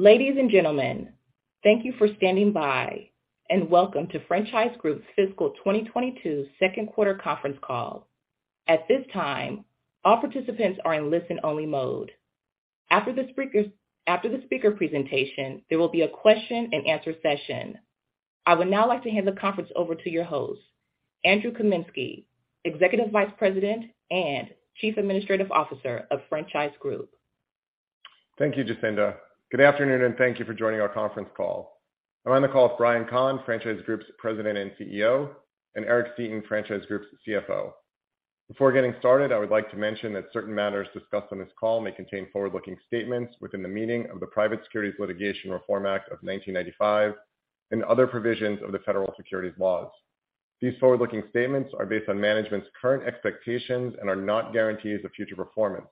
Ladies and gentlemen, thank you for standing by and welcome to Franchise Group's Fiscal 2022 second quarter conference call. At this time, all participants are in listen-only mode. After the speaker presentation, there will be a question-and-answer session. I would now like to hand the conference over to your host, Andrew Kaminsky, Executive Vice President and Chief Administrative Officer of Franchise Group. Thank you, Jacinda. Good afternoon, and thank you for joining our conference call. I'm on the call with Brian Kahn, Franchise Group's President and CEO, and Eric Seeton, Franchise Group's CFO. Before getting started, I would like to mention that certain matters discussed on this call may contain forward-looking statements within the meaning of the Private Securities Litigation Reform Act of 1995 and other provisions of the federal securities laws. These forward-looking statements are based on management's current expectations and are not guarantees of future performance.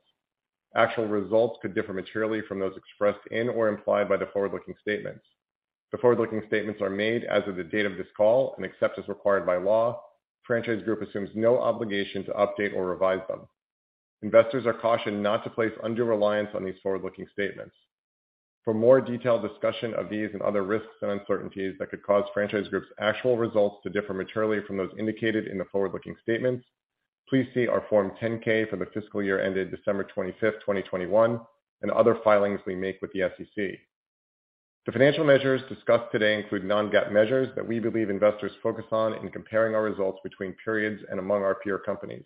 Actual results could differ materially from those expressed in or implied by the forward-looking statements. The forward-looking statements are made as of the date of this call and except as required by law, Franchise Group assumes no obligation to update or revise them. Investors are cautioned not to place undue reliance on these forward-looking statements. For more detailed discussion of these and other risks and uncertainties that could cause Franchise Group's actual results to differ materially from those indicated in the forward-looking statements, please see our Form 10-K for the fiscal year ended December 25, 2021, and other filings we make with the SEC. The financial measures discussed today include non-GAAP measures that we believe investors focus on in comparing our results between periods and among our peer companies.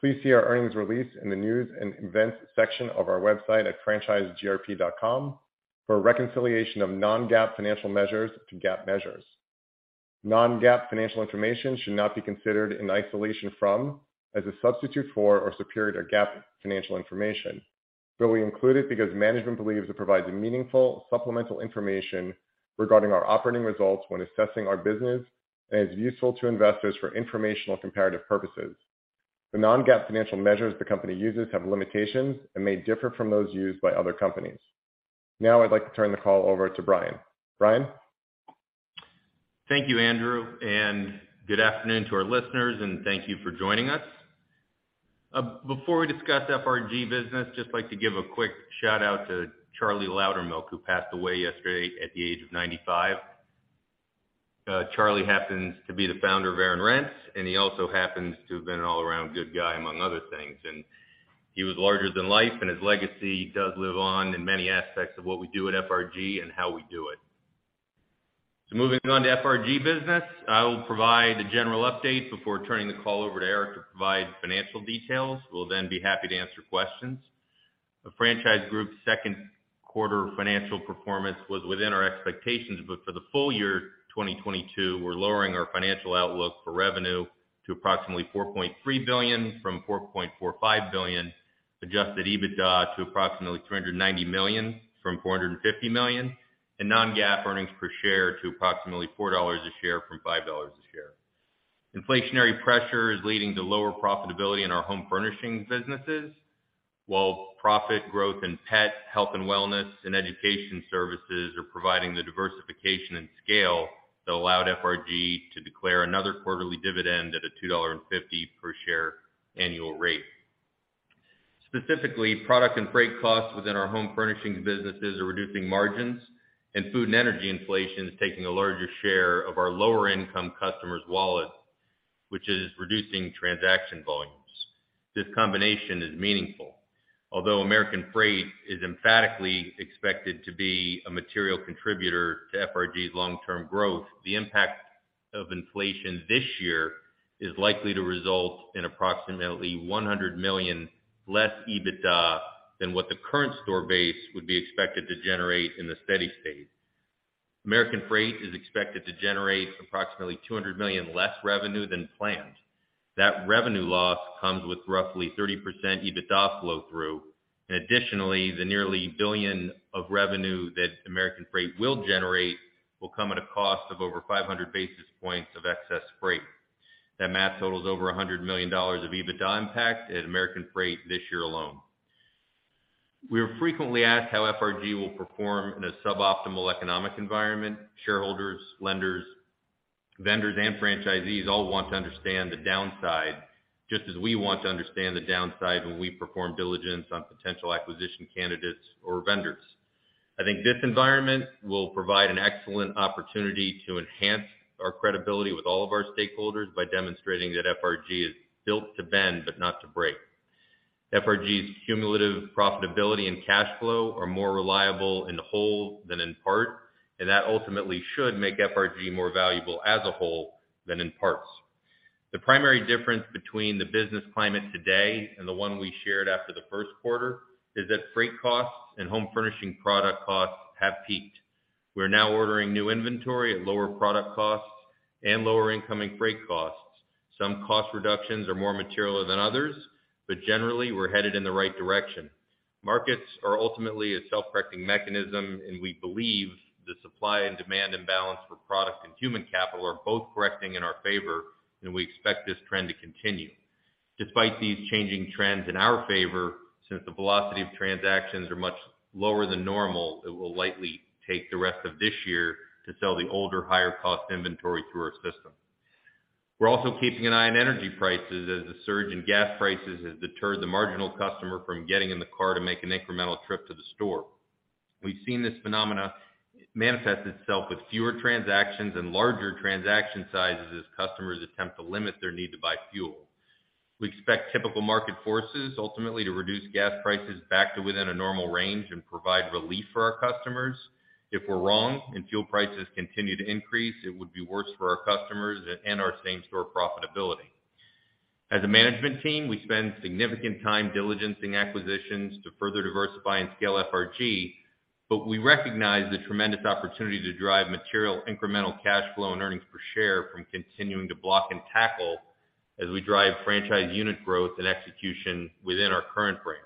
Please see our earnings release in the News & Events section of our website at franchisegrp.com for a reconciliation of non-GAAP financial measures to GAAP measures. Non-GAAP financial information should not be considered in isolation or as a substitute for or superior to GAAP financial information, but we include it because management believes it provides a meaningful supplemental information regarding our operating results when assessing our business and is useful to investors for informational comparative purposes. The non-GAAP financial measures the company uses have limitations and may differ from those used by other companies. Now I'd like to turn the call over to Brian. Brian? Thank you, Andrew, and good afternoon to our listeners, and thank you for joining us. Before we discuss the FRG business, just like to give a quick shout-out to Charlie Loudermilk, who passed away yesterday at the age of 95. Charlie happens to be the founder of Aaron's, and he also happens to have been an all-around good guy, among other things. He was larger than life, and his legacy does live on in many aspects of what we do at FRG and how we do it. Moving on to FRG business. I will provide a general update before turning the call over to Eric to provide financial details. We'll then be happy to answer questions. The Franchise Group's second quarter financial performance was within our expectations, but for the full year 2022, we're lowering our financial outlook for revenue to approximately $4.3 billion from $4.45 billion, Adjusted EBITDA to approximately $390 million from $450 million, and non-GAAP earnings per share to approximately $4 a share from $5 a share. Inflationary pressure is leading to lower profitability in our home furnishings businesses, while profit growth in pet, health and wellness, and education services are providing the diversification and scale that allowed FRG to declare another quarterly dividend at a $2.50 per share annual rate. Specifically, product and freight costs within our home furnishings businesses are reducing margins, and food and energy inflation is taking a larger share of our lower-income customers' wallet, which is reducing transaction volumes. This combination is meaningful. Although American Freight is emphatically expected to be a material contributor to FRG's long-term growth, the impact of inflation this year is likely to result in approximately $100 million less EBITDA than what the current store base would be expected to generate in the steady state. American Freight is expected to generate approximately $200 million less revenue than planned. That revenue loss comes with roughly 30% EBITDA flow through. Additionally, the nearly $1 billion of revenue that American Freight will generate will come at a cost of over 500 basis points of excess freight. That math totals over $100 million of EBITDA impact at American Freight this year alone. We are frequently asked how FRG will perform in a suboptimal economic environment. Shareholders, lenders, vendors, and franchisees all want to understand the downside, just as we want to understand the downside when we perform diligence on potential acquisition candidates or vendors. I think this environment will provide an excellent opportunity to enhance our credibility with all of our stakeholders by demonstrating that FRG is built to bend but not to break. FRG's cumulative profitability and cash flow are more reliable in the whole than in part, and that ultimately should make FRG more valuable as a whole than in parts. The primary difference between the business climate today and the one we shared after the first quarter is that freight costs and home furnishing product costs have peaked. We're now ordering new inventory at lower product costs and lower incoming freight costs. Some cost reductions are more material than others, but generally, we're headed in the right direction. Markets are ultimately a self-correcting mechanism, and we believe the supply and demand imbalance for product and human capital are both correcting in our favor, and we expect this trend to continue. Despite these changing trends in our favor, since the velocity of transactions are much lower than normal, it will likely take the rest of this year to sell the older, higher cost inventory through our system. We're also keeping an eye on energy prices as the surge in gas prices has deterred the marginal customer from getting in the car to make an incremental trip to the store. We've seen this phenomenon manifest itself with fewer transactions and larger transaction sizes as customers attempt to limit their need to buy fuel. We expect typical market forces ultimately to reduce gas prices back to within a normal range and provide relief for our customers. If we're wrong and fuel prices continue to increase, it would be worse for our customers and our same-store profitability. As a management team, we spend significant time diligencing acquisitions to further diversify and scale FRG, but we recognize the tremendous opportunity to drive material incremental cash flow and earnings per share from continuing to block and tackle as we drive franchise unit growth and execution within our current brands.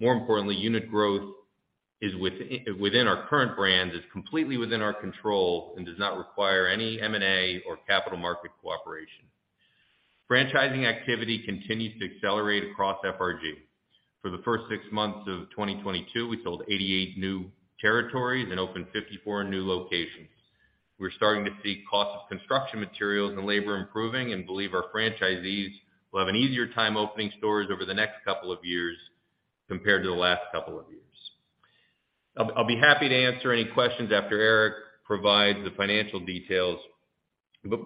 More importantly, unit growth within our current brands is completely within our control and does not require any M&A or capital market cooperation. Franchising activity continues to accelerate across FRG. For the first six months of 2022, we sold 88 new territories and opened 54 new locations. We're starting to see cost of construction materials and labor improving and believe our franchisees will have an easier time opening stores over the next couple of years compared to the last couple of years. I'll be happy to answer any questions after Eric provides the financial details.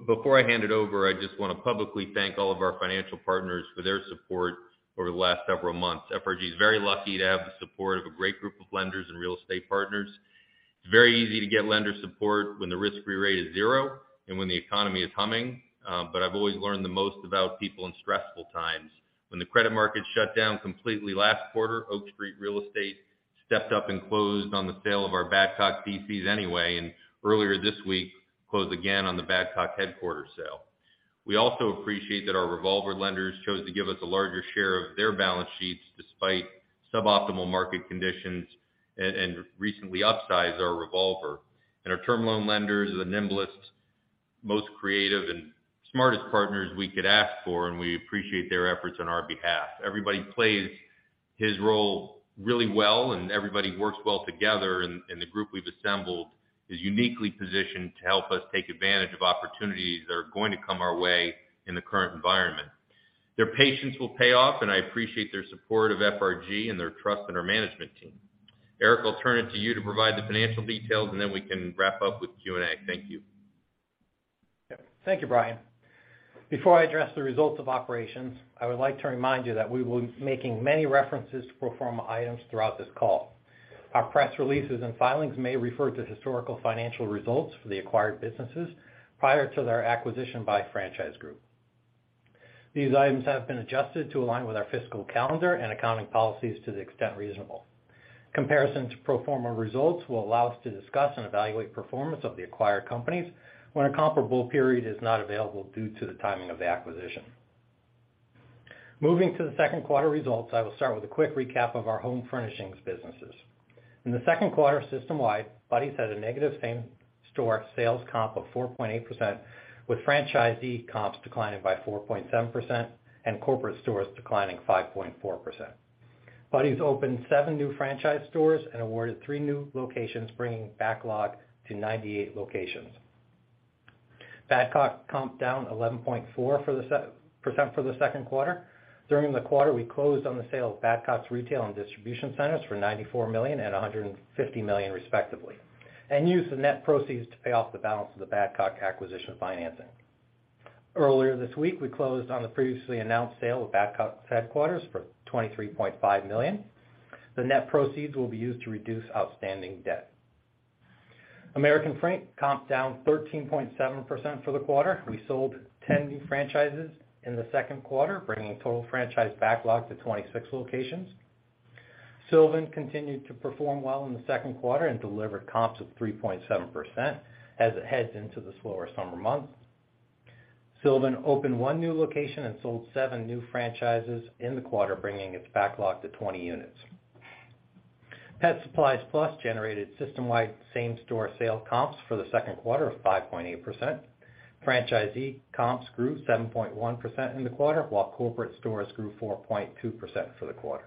Before I hand it over, I just wanna publicly thank all of our financial partners for their support over the last several months. FRG is very lucky to have the support of a great group of lenders and real estate partners. It's very easy to get lender support when the risk-free rate is zero and when the economy is humming, but I've always learned the most about people in stressful times. When the credit markets shut down completely last quarter, Oak Street Real Estate Capital stepped up and closed on the sale of our Badcock pieces anyway, and earlier this week, closed again on the Badcock headquarters sale. We also appreciate that our revolver lenders chose to give us a larger share of their balance sheets despite suboptimal market conditions and recently upsized our revolver. Our term loan lenders are the nimblest, most creative, and smartest partners we could ask for, and we appreciate their efforts on our behalf. Everybody plays his role really well, and everybody works well together, and the group we've assembled is uniquely positioned to help us take advantage of opportunities that are going to come our way in the current environment. Their patience will pay off, and I appreciate their support of FRG and their trust in our management team. Eric, I'll turn it to you to provide the financial details, and then we can wrap up with Q&A. Thank you. Yeah. Thank you, Brian. Before I address the results of operations, I would like to remind you that we will be making many references to pro forma items throughout this call. Our press releases and filings may refer to historical financial results for the acquired businesses prior to their acquisition by Franchise Group. These items have been adjusted to align with our fiscal calendar and accounting policies to the extent reasonable. Comparison to pro forma results will allow us to discuss and evaluate performance of the acquired companies when a comparable period is not available due to the timing of the acquisition. Moving to the second quarter results, I will start with a quick recap of our home furnishings businesses. In the second quarter system-wide, Buddy's had a negative same-store sales comp of 4.8%, with franchisee comps declining by 4.7% and corporate stores declining 5.4%. Buddy's opened seven new franchise stores and awarded three new locations, bringing backlog to 98 locations. Badcock comp down 11.4% for the second quarter. During the quarter, we closed on the sale of Badcock's retail and distribution centers for $94 million and $150 million respectively, and used the net proceeds to pay off the balance of the Badcock acquisition financing. Earlier this week, we closed on the previously announced sale of Badcock's headquarters for $23.5 million. The net proceeds will be used to reduce outstanding debt. American Freight comp down 13.7% for the quarter. We sold 10 new franchises in the second quarter, bringing total franchise backlog to 26 locations. Sylvan continued to perform well in the second quarter and delivered comps of 3.7% as it heads into the slower summer months. Sylvan opened one new location and sold seven new franchises in the quarter, bringing its backlog to 20 units. Pet Supplies Plus generated system-wide same-store sale comps for the second quarter of 5.8%. Franchisee comps grew 7.1% in the quarter, while corporate stores grew 4.2% for the quarter.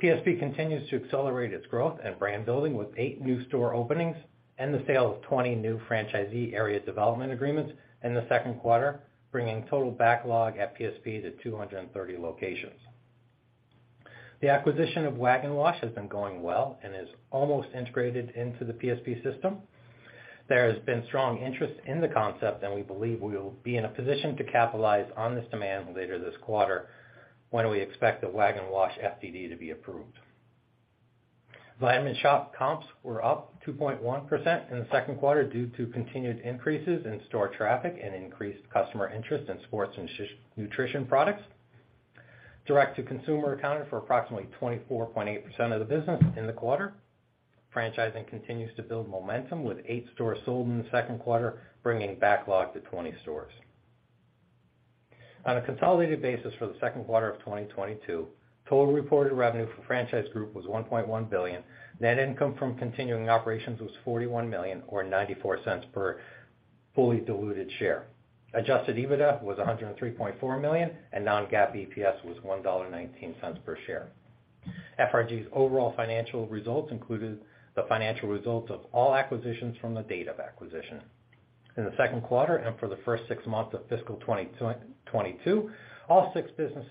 PSP continues to accelerate its growth and brand building with eight new store openings and the sale of 20 new franchisee area development agreements in the second quarter, bringing total backlog at PSP to 230 locations. The acquisition of Wag N' Wash has been going well and is almost integrated into the PSP system. There has been strong interest in the concept, and we believe we will be in a position to capitalize on this demand later this quarter when we expect the Wag N' Wash FDD to be approved. Vitamin Shoppe comps were up 2.1% in the second quarter due to continued increases in store traffic and increased customer interest in sports and nutrition products. Direct-to-consumer accounted for approximately 24.8% of the business in the quarter. Franchising continues to build momentum with eight stores sold in the second quarter, bringing backlog to 20 stores. On a consolidated basis for the second quarter of 2022, total reported revenue for Franchise Group was $1.1 billion. Net income from continuing operations was $41 million or $0.94 per fully diluted share. Adjusted EBITDA was $103.4 million, and non-GAAP EPS was $1.19 per share. FRG's overall financial results included the financial results of all acquisitions from the date of acquisition. In the second quarter, and for the first six months of fiscal 2022, all six business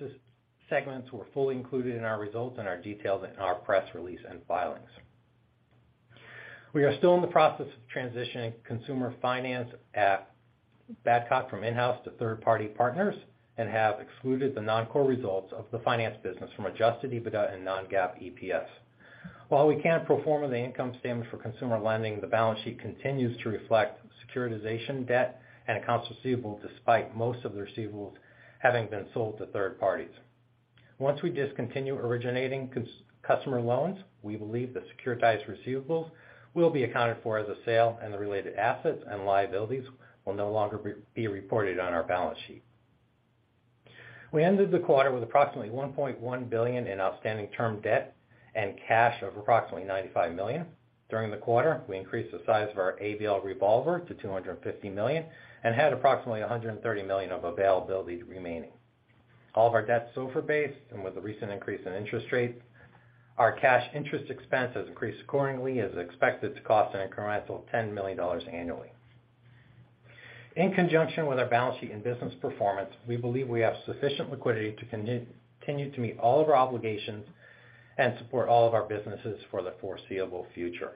segments were fully included in our results and are detailed in our press release and filings. We are still in the process of transitioning consumer finance at Badcock from in-house to third-party partners and have excluded the non-core results of the finance business from Adjusted EBITDA and non-GAAP EPS. While we can't perform on the income statement for consumer lending, the balance sheet continues to reflect securitization debt and accounts receivable, despite most of the receivables having been sold to third parties. Once we discontinue originating customer loans, we believe the securitized receivables will be accounted for as a sale, and the related assets and liabilities will no longer be reported on our balance sheet. We ended the quarter with approximately $1.1 billion in outstanding term debt and cash of approximately $95 million. During the quarter, we increased the size of our ABL Revolver to $250 million and had approximately $130 million of availability remaining. All of our debt is SOFR-based, and with the recent increase in interest rates, our cash interest expense has increased accordingly, as expected to cost an incremental $10 million annually. In conjunction with our balance sheet and business performance, we believe we have sufficient liquidity to continue to meet all of our obligations and support all of our businesses for the foreseeable future.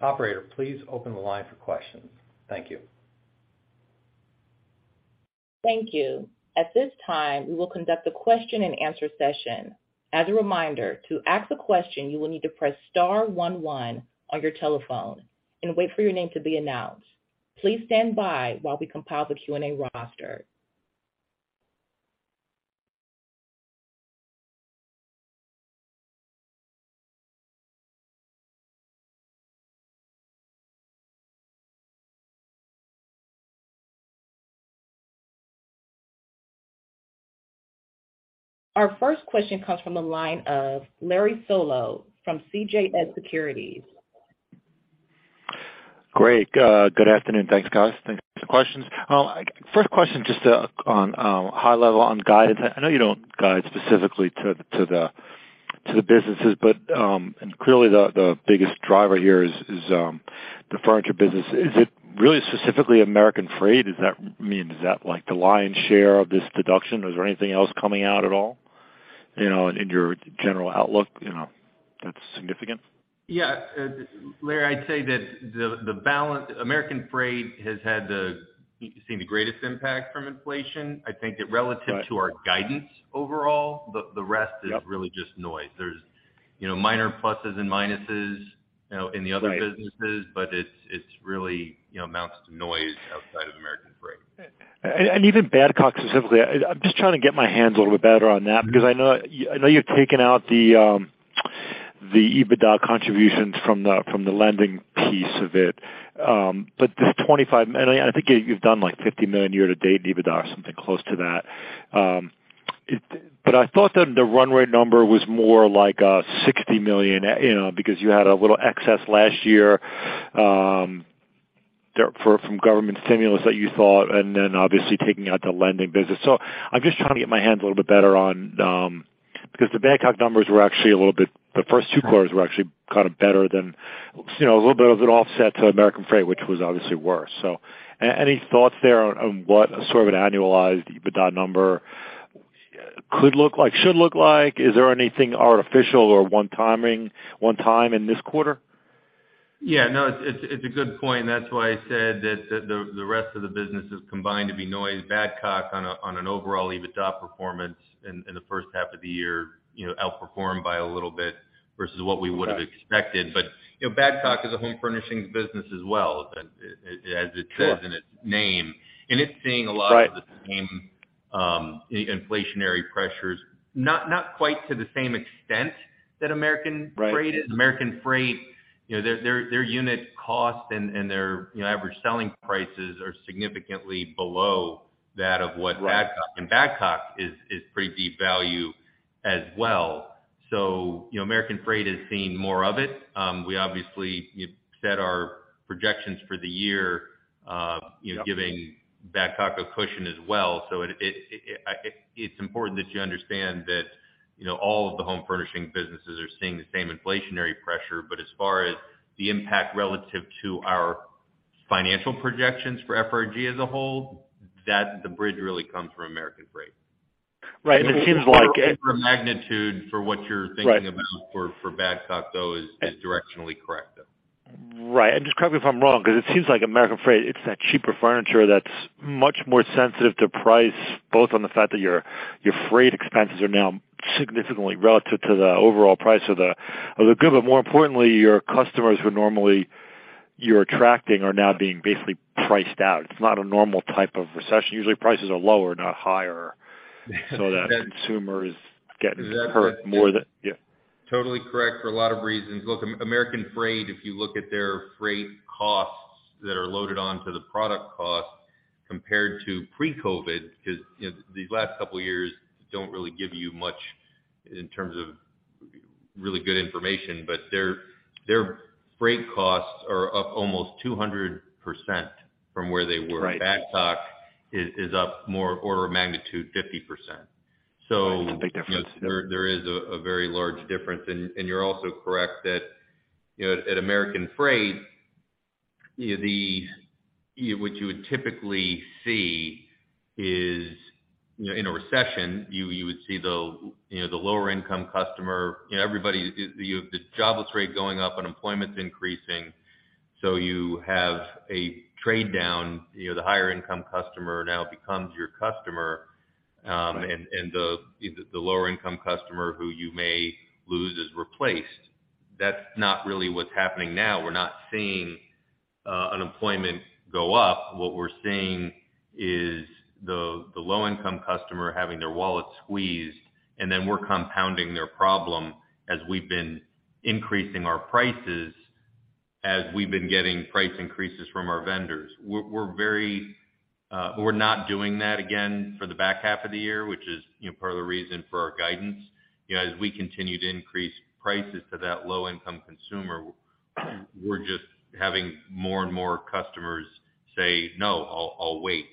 Operator, please open the line for questions. Thank you. Thank you. At this time, we will conduct a question-and-answer session. As a reminder, to ask a question, you will need to press star one one on your telephone and wait for your name to be announced. Please stand by while we compile the Q&A roster. Our first question comes from the line of Larry Solow from CJS Securities. Great. Good afternoon. Thanks, guys. Thanks for the questions. First question just on high level on guidance. I know you don't guide specifically to the businesses, but clearly the biggest driver here is the furniture business. Is it really specifically American Freight? Does that mean is that like the lion's share of this deduction, or is there anything else coming out at all, you know, in your general outlook, you know, that's significant? Yeah. Larry, I'd say that American Freight has seen the greatest impact from inflation. I think that relative- Right. to our guidance overall, the rest is Yep. really just noise. There's, you know, minor pluses and minuses, you know, in the other Right. businesses, but it's really, you know, amounts to noise outside of American Freight. Even Badcock specifically, I'm just trying to get my hands a little bit better on that because I know, I know you've taken out the EBITDA contributions from the lending piece of it. This $25 million. I think you've done like $50 million year-to-date in EBITDA or something close to that. I thought that the run rate number was more like $60 million, you know, because you had a little excess last year from government stimulus that you saw, and then obviously taking out the lending business. I'm just trying to get my hands a little bit better on because the Badcock numbers were actually a little bit. The first two quarters were actually kind of better than, you know, a little bit of an offset to American Freight, which was obviously worse. Any thoughts there on what sort of an annualized EBITDA number could look like, should look like? Is there anything artificial or one-time in this quarter? Yeah, no, it's a good point. That's why I said that the rest of the business is combined to be noise. Badcock on an overall EBITDA performance in the first half of the year, you know, outperformed by a little bit versus what we would've expected. You know, Badcock is a home furnishings business as well, as it says. Sure. In its name. It's seeing a lot of Right. The same inflationary pressures, not quite to the same extent that American Freight is. Right. American Freight, you know, their unit cost and their, you know, average selling prices are significantly below that of what Badcock- Right. Badcock is pretty deep value as well. You know, American Freight has seen more of it. We obviously set our projections for the year, you know. Yeah. Giving Badcock a cushion as well. It's important that you understand that, you know, all of the home furnishings businesses are seeing the same inflationary pressure. As far as the impact relative to our financial projections for FRG as a whole, that the bridge really comes from American Freight. Right. It seems like The magnitude for what you're thinking about. Right. For Badcock, though, is directionally correct, though. Right. Just correct me if I'm wrong, because it seems like American Freight, it's that cheaper furniture that's much more sensitive to price, both on the fact that your freight expenses are now significantly relative to the overall price of the good. More importantly, your customers who normally you're attracting are now being basically priced out. It's not a normal type of recession. Usually, prices are lower, not higher, so that consumer is getting hurt more than. Yeah. Totally correct for a lot of reasons. Look, American Freight, if you look at their freight costs that are loaded onto the product cost compared to pre-COVID, because, you know, these last couple of years don't really give you much in terms of really good information, but their freight costs are up almost 200% from where they were. Right. Backstock is up more order of magnitude 50%. Big difference. There is a very large difference. You're also correct that, you know, at American Freight, what you would typically see is, you know, in a recession, you would see the, you know, the lower income customer. You know, everybody. You have the jobless rate going up, unemployment's increasing, so you have a trade-down. You know, the higher income customer now becomes your customer. Right The lower income customer who you may lose is replaced. That's not really what's happening now. We're not seeing unemployment go up. What we're seeing is the low income customer having their wallet squeezed, and then we're compounding their problem as we've been increasing our prices, as we've been getting price increases from our vendors. We're not doing that again for the back half of the year, which is, you know, part of the reason for our guidance. You know, as we continue to increase prices to that low income consumer, we're just having more and more customers say, "No, I'll wait."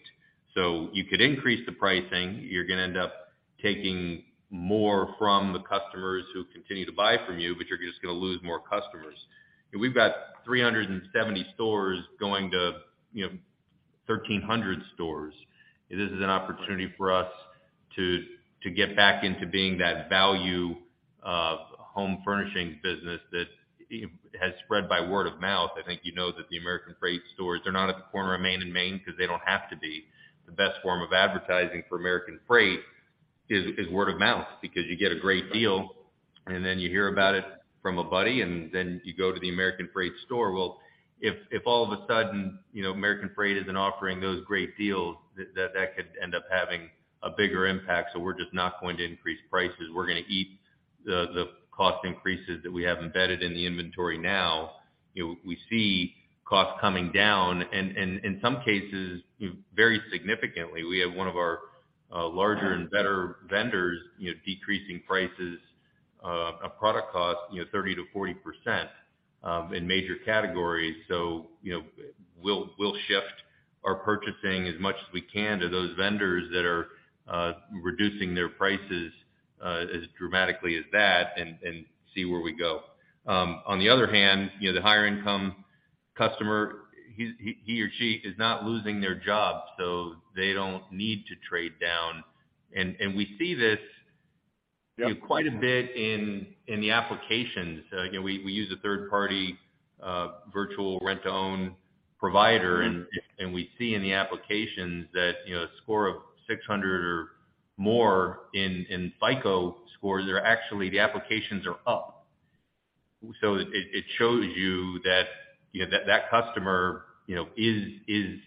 You could increase the pricing. You're gonna end up taking more from the customers who continue to buy from you, but you're just gonna lose more customers. We've got 370 stores going to, you know, 1,300 stores. This is an opportunity for us to get back into being that value of home furnishings business that has spread by word of mouth. I think you know that the American Freight stores, they're not at the corner of Main and Main because they don't have to be. The best form of advertising for American Freight is word of mouth because you get a great deal, and then you hear about it from a buddy, and then you go to the American Freight store. Well, if all of a sudden, you know, American Freight isn't offering those great deals, that could end up having a bigger impact. We're just not going to increase prices. We're gonna eat the cost increases that we have embedded in the inventory now. You know, we see costs coming down and in some cases, very significantly. We have one of our larger and better vendors, you know, decreasing prices of product costs, you know, 30%-40% in major categories. So, you know, we'll shift our purchasing as much as we can to those vendors that are reducing their prices as dramatically as that and see where we go. On the other hand, you know, the higher income customer, he or she is not losing their job, so they don't need to trade down. We see this quite a bit in the applications. Again, we use a third party virtual rent-to-own provider, and we see in the applications that, you know, a score of 600 or more in FICO scores are actually the applications are up. It shows you that, you know, that customer, you know, is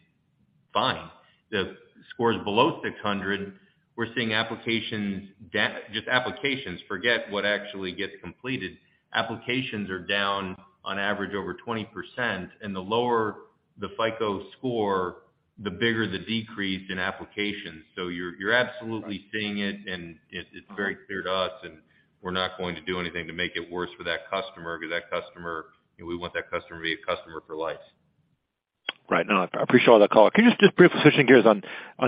fine. The scores below 600, we're seeing applications down, just applications, forget what actually gets completed. Applications are down on average over 20%. The lower the FICO score, the bigger the decrease in applications. You're absolutely seeing it and it's very clear to us, and we're not going to do anything to make it worse for that customer because that customer, you know, we want that customer to be a customer for life. Right. No, I appreciate all that color. Can you just briefly switching gears on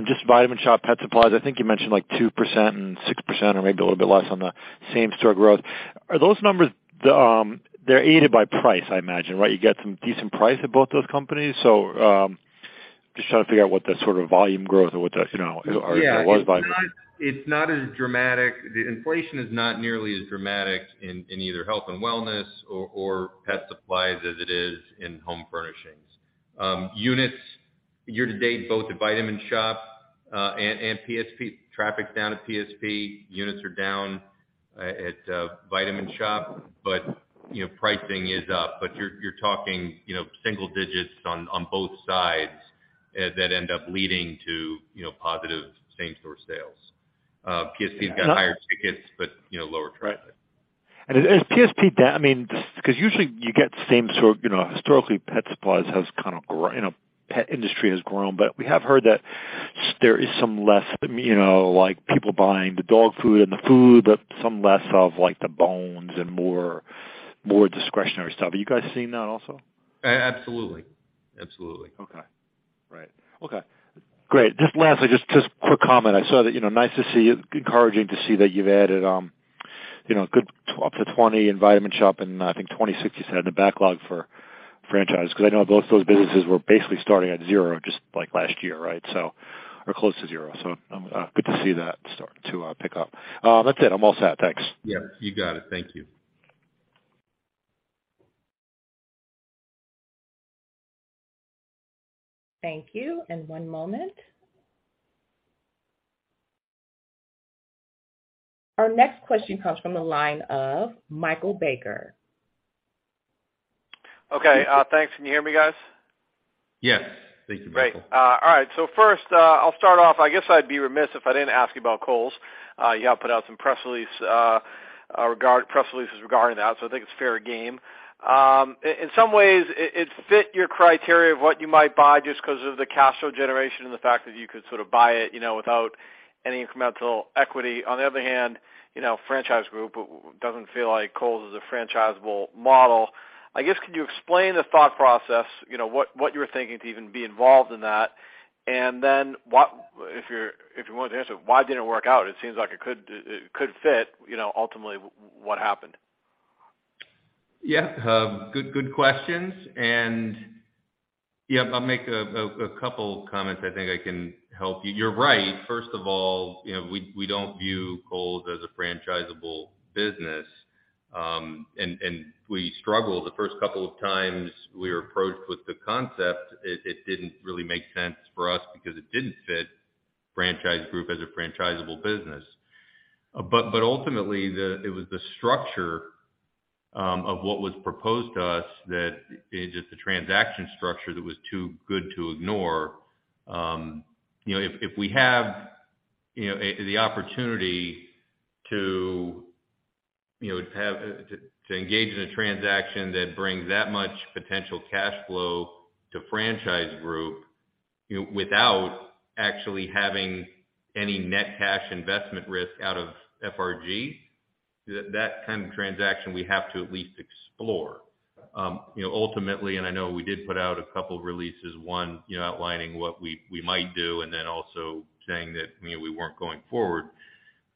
just Vitamin Shoppe, Pet Supplies Plus? I think you mentioned like 2% and 6% or maybe a little bit less on the same store growth. Are those numbers, they're aided by price, I imagine, right? You get some decent price at both those companies. Just trying to figure out what that sort of volume growth or, you know- Yeah. Volume. It's not as dramatic. The inflation is not nearly as dramatic in either health and wellness or pet supplies as it is in home furnishings. Units year-to-date, both at Vitamin Shoppe and PSP. Traffic's down at PSP. Units are down at Vitamin Shoppe, but you know, pricing is up. You're talking, you know, single digits on both sides that end up leading to, you know, positive same store sales. PSP's got higher tickets, but, you know, lower traffic. Right. Is PSP down? I mean, because usually you get same store. You know, historically, pet supplies has kind of grown. You know, pet industry has grown, but we have heard that there is some less, you know, like, people buying the dog food and the food, but some less of, like, the bones and more discretionary stuff. Are you guys seeing that also? Absolutely. Okay. Right. Okay, great. Just quick comment. I saw that, you know, nice to see, encouraging to see that you've added, you know, a good up to 20 in Vitamin Shoppe and I think 26, you said, in the backlog for franchise, because I know both those businesses were basically starting at zero just like last year, right? Or close to 0. Good to see that start to pick up. That's it, I'm all set. Thanks. Yeah, you got it. Thank you. Thank you. One moment. Our next question comes from the line of Michael Baker. Okay, thanks. Can you hear me, guys? Yes. Thank you, Michael. Great. All right, first, I'll start off. I guess I'd be remiss if I didn't ask you about Kohl's. You have put out some press releases regarding that, so I think it's fair game. In some ways, it fit your criteria of what you might buy just 'cause of the cash flow generation and the fact that you could sort of buy it, you know, without any incremental equity. On the other hand, you know, Franchise Group doesn't feel like Kohl's is a franchisable model. I guess, could you explain the thought process. You know, what you were thinking to even be involved in that. If you want to answer, why didn't it work out. It seems like it could fit, you know, ultimately, what happened. Yeah. Good questions. Yeah, I'll make a couple comments. I think I can help you. You're right. First of all, you know, we don't view Kohl's as a franchisable business, and we struggled. The first couple of times we were approached with the concept, it didn't really make sense for us because it didn't fit Franchise Group as a franchisable business. But ultimately it was the structure of what was proposed to us that it's just the transaction structure that was too good to ignore. You know, if we have, you know, the opportunity to, you know, to engage in a transaction that brings that much potential cash flow to Franchise Group, you know, without actually having any net cash investment risk out of FRG, that kind of transaction we have to at least explore. You know, ultimately, I know we did put out a couple of releases, one, you know, outlining what we might do and then also saying that, you know, we weren't going forward.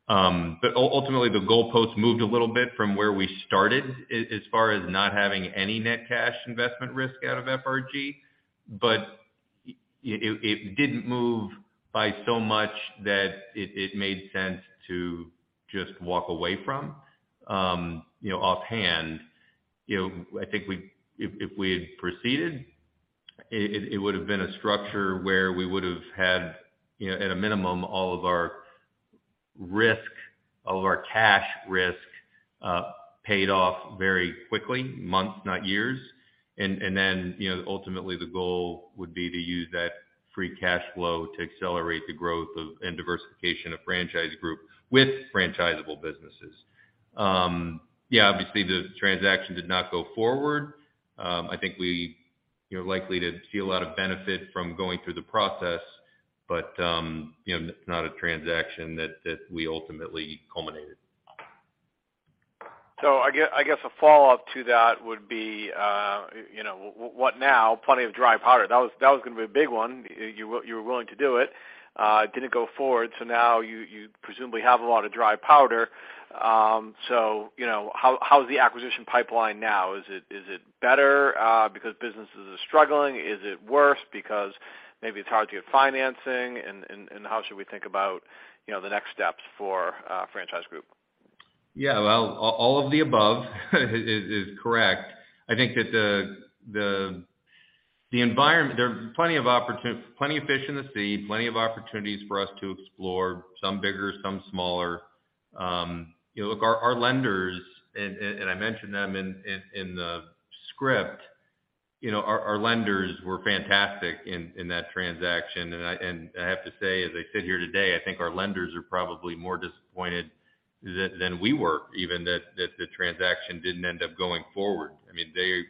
Ultimately, the goalpost moved a little bit from where we started as far as not having any net cash investment risk out of FRG. It didn't move by so much that it made sense to just walk away from. You know, offhand, you know, I think if we had proceeded, it would have been a structure where we would have had, you know, at a minimum, all of our risk, all of our cash risk, paid off very quickly, months, not years. You know, ultimately the goal would be to use that free cash flow to accelerate the growth of, and diversification of Franchise Group with franchisable businesses. Yeah, obviously the transaction did not go forward. I think we, you know, likely did see a lot of benefit from going through the process, but, you know, it's not a transaction that we ultimately culminated. I guess a follow-up to that would be, you know, what now? Plenty of dry powder. That was gonna be a big one. You were willing to do it. It didn't go forward, so now you presumably have a lot of dry powder. So, you know, how's the acquisition pipeline now? Is it better because businesses are struggling? Is it worse because maybe it's hard to get financing? How should we think about, you know, the next steps for Franchise Group? Well, all of the above is correct. I think that the environment there are plenty of fish in the sea, plenty of opportunities for us to explore, some bigger, some smaller. You know, look, our lenders, and I mentioned them in the script, you know, our lenders were fantastic in that transaction. I have to say, as I sit here today, I think our lenders are probably more disappointed than we were even that the transaction didn't end up going forward. I mean, they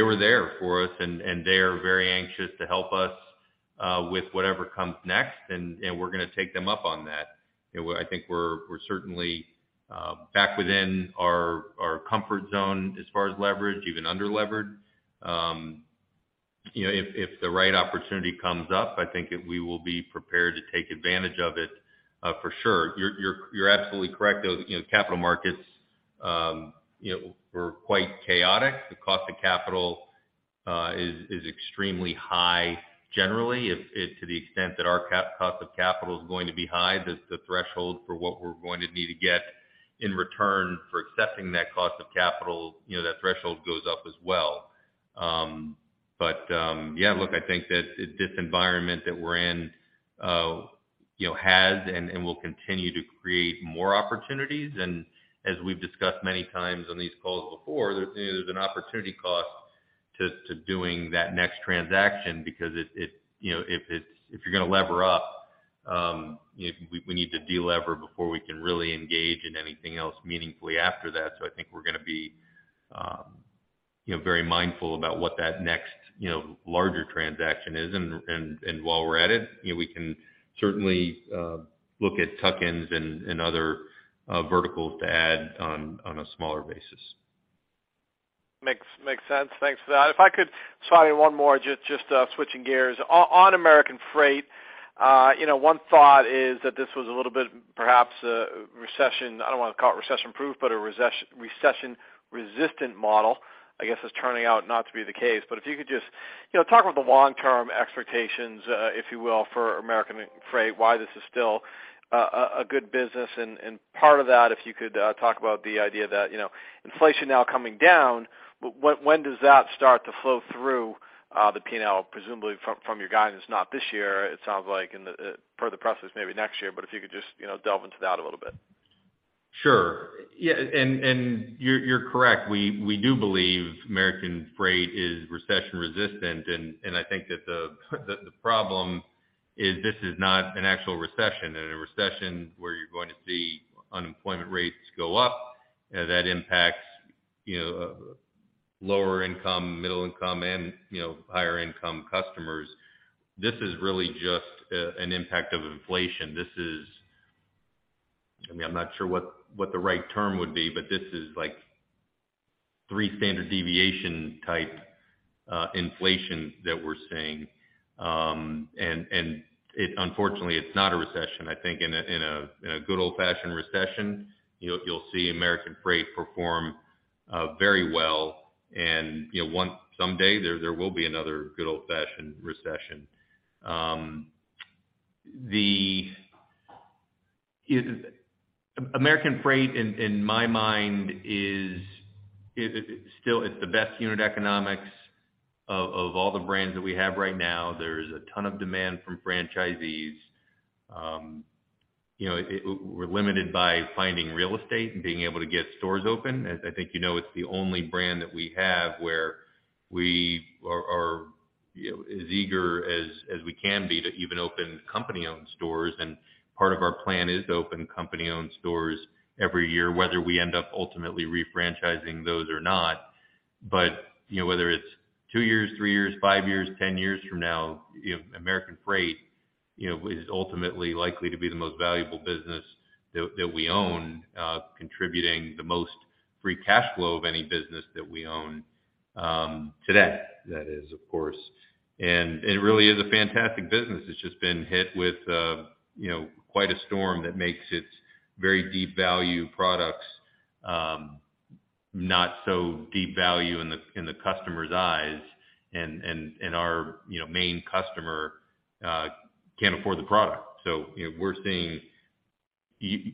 were there for us, and they are very anxious to help us with whatever comes next, and we're gonna take them up on that. You know, I think we're certainly back within our comfort zone as far as leverage, even underlevered. You know, if the right opportunity comes up, I think we will be prepared to take advantage of it, for sure. You're absolutely correct, though. You know, capital markets, you know, were quite chaotic. The cost of capital is extremely high generally. If, to the extent that our cost of capital is going to be high, the threshold for what we're going to need to get in return for accepting that cost of capital, you know, that threshold goes up as well. Yeah, look, I think that this environment that we're in, you know, has and will continue to create more opportunities. As we've discussed many times on these calls before, you know, there's an opportunity cost to doing that next transaction because it, you know, if you're gonna lever up, you know, we need to delever before we can really engage in anything else meaningfully after that. I think we're gonna be, you know, very mindful about what that next, you know, larger transaction is. While we're at it, you know, we can certainly look at tuck-ins and other verticals to add on a smaller basis. Makes sense. Thanks for that. If I could just finally one more just switching gears. On American Freight, you know, one thought is that this was a little bit perhaps recession-resistant model. I guess it's turning out not to be the case. If you could just, you know, talk about the long-term expectations, if you will, for American Freight, why this is still a good business. And part of that, if you could talk about the idea that, you know, inflation now coming down, when does that start to flow through the P&L? Presumably from your guidance, not this year, it sounds like in the process, maybe next year. If you could just, you know, delve into that a little bit. Sure. Yeah, you're correct. We do believe American Freight is recession-resistant. I think that the problem is this is not an actual recession. In a recession where you're going to see unemployment rates go up, that impacts, you know, lower income, middle income, and, you know, higher income customers. This is really just an impact of inflation. I mean, I'm not sure what the right term would be, but this is like three standard deviation type inflation that we're seeing. Unfortunately, it's not a recession. I think in a good old-fashioned recession, you'll see American Freight perform very well. You know, someday there will be another good old-fashioned recession. American Freight, in my mind, is still. It's the best unit economics of all the brands that we have right now. There's a ton of demand from franchisees. You know, we're limited by finding real estate and being able to get stores open. As I think you know, it's the only brand that we have where we are, you know, as eager as we can be to even open company-owned stores. Part of our plan is to open company-owned stores every year, whether we end up ultimately refranchising those or not. You know, whether it's two years, three years, five years, 10 years from now, you know, American Freight, you know, is ultimately likely to be the most valuable business that we own, contributing the most free cash flow of any business that we own today. That is, of course. It really is a fantastic business. It's just been hit with, you know, quite a storm that makes its very deep value products not so deep value in the customer's eyes. Our, you know, main customer can't afford the product. You know, we're seeing you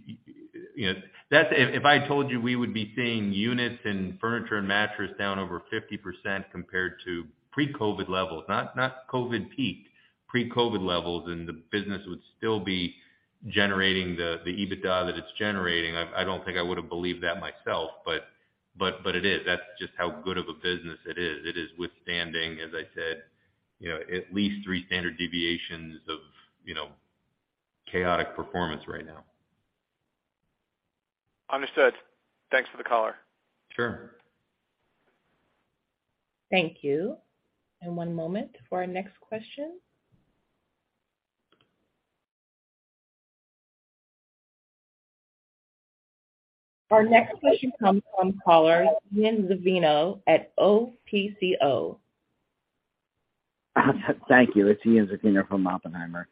know. If I told you we would be seeing units and furniture and mattress down over 50% compared to pre-COVID levels, not COVID peak, pre-COVID levels, and the business would still be generating the EBITDA that it's generating, I don't think I would have believed that myself, but it is. That's just how good of a business it is. It is withstanding, as I said, you know, at least three standard deviations of, you know, chaotic performance right now. Understood. Thanks for the color. Sure. Thank you. One moment for our next question. Our next question comes from caller Ian Zaffino at Opco. Thank you. It's Ian Zaffino from Oppenheimer.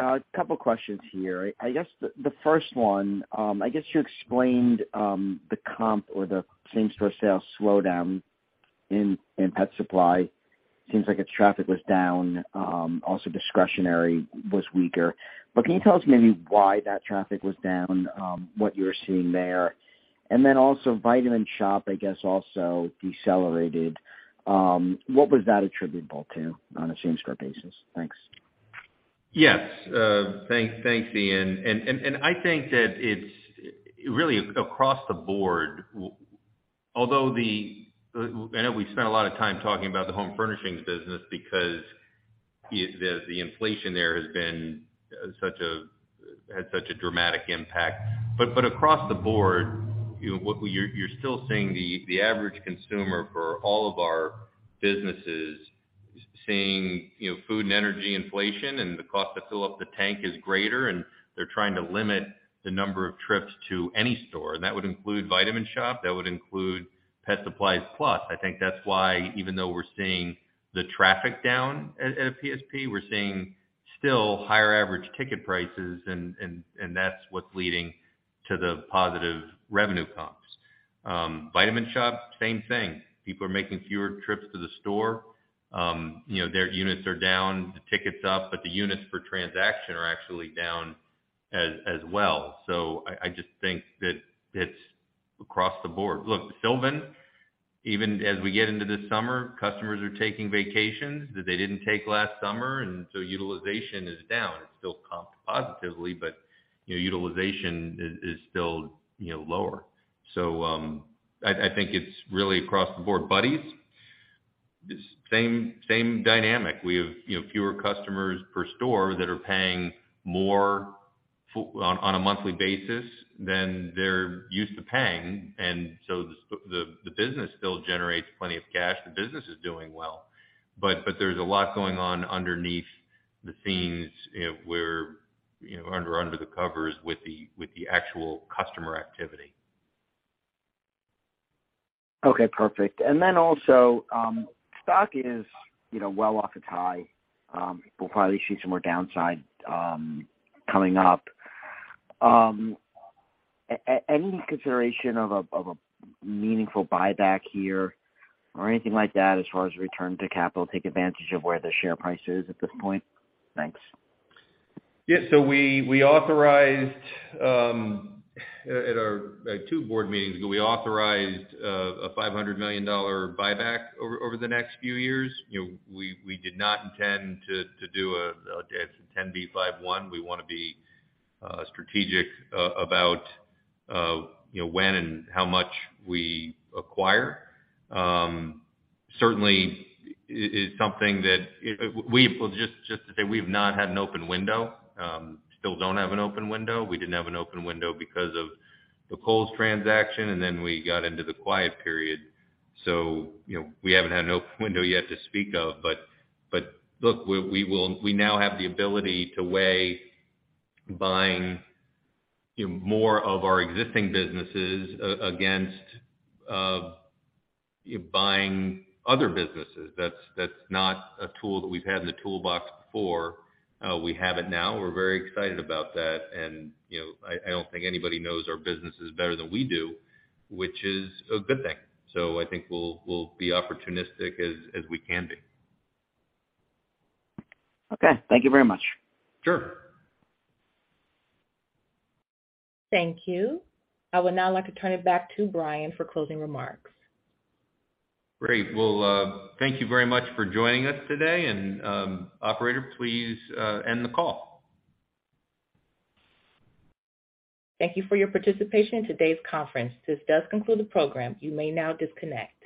A couple questions here. I guess the first one, I guess you explained the comp or the same-store sales slowdown in Pet Supplies. Seems like its traffic was down, also discretionary was weaker. Can you tell us maybe why that traffic was down, what you're seeing there? Then also Vitamin Shoppe, I guess, also decelerated. What was that attributable to on a same-store basis? Thanks. Yes. Thanks, Ian. I think that it's really across the board. Although I know we've spent a lot of time talking about the home furnishings business because the inflation there has been such a dramatic impact. Across the board, you know, you're still seeing the average consumer for all of our businesses seeing, you know, food and energy inflation, and the cost to fill up the tank is greater, and they're trying to limit the number of trips to any store. That would include Vitamin Shoppe, that would include Pet Supplies Plus. I think that's why even though we're seeing the traffic down at PSP, we're seeing still higher average ticket prices and that's what's leading to the positive revenue comps. Vitamin Shoppe, same thing. People are making fewer trips to the store. You know, their units are down, the ticket's up, but the units per transaction are actually down as well. I just think that it's across the board. Look, Sylvan, even as we get into this summer, customers are taking vacations that they didn't take last summer, and so utilization is down. It's still comps positively, but you know, utilization is still lower. I think it's really across the board. Buddy's? The same dynamic. We have you know, fewer customers per store that are paying more on a monthly basis than they're used to paying, and so the business still generates plenty of cash. The business is doing well. There's a lot going on behind the scenes, you know, where, you know, under the covers with the actual customer activity. Okay, perfect. Stock is, you know, well off its high. We'll probably see some more downside coming up. Any consideration of a meaningful buyback here or anything like that as far as return of capital, take advantage of where the share price is at this point? Thanks. Yeah. We authorized at our, I think two board meetings ago, a $500 million buyback over the next few years. You know, we did not intend to do a 10b5-1. We wanna be strategic about you know when and how much we acquire. Certainly it's something that you know. Well, just to say we've not had an open window. Still don't have an open window. We didn't have an open window because of the Kohl's transaction, and then we got into the quiet period. You know, we haven't had an open window yet to speak of. But look, we now have the ability to weigh buying you know more of our existing businesses against buying other businesses. That's not a tool that we've had in the toolbox before. We have it now. We're very excited about that. You know, I don't think anybody knows our businesses better than we do, which is a good thing. I think we'll be opportunistic as we can be. Okay. Thank you very much. Sure. Thank you. I would now like to turn it back to Brian for closing remarks. Great. Well, thank you very much for joining us today, and, operator, please, end the call. Thank you for your participation in today's conference. This does conclude the program. You may now disconnect.